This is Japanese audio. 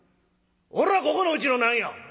「おらここのうちの何や？」。